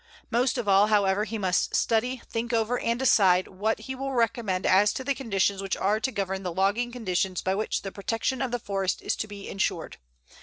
Most of all, however, he must study, think over, and decide what he will recommend as to the conditions which are to govern the logging conditions by which the protection of the forest is to be insured.